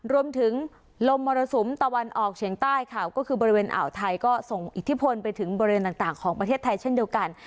รวมถึงลมมรสุมตะวันออกเฉียงใต้ค่ะก็คือบริเวณอ่าวไทยก็ส่งอิทธิพลไปถึงบริเวณต่างของประเทศไทยเช่นเดียวกัน